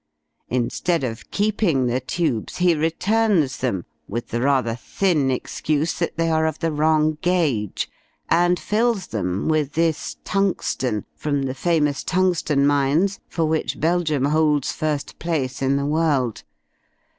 Instead of keeping the tubes, he returns them with the rather thin excuse that they are of the wrong gauge, and fills them with this tungsten, from the famous tungsten mines for which Belgium holds first place in the world.